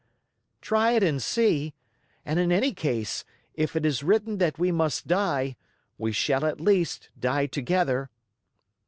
"Try it and see! And in any case, if it is written that we must die, we shall at least die together."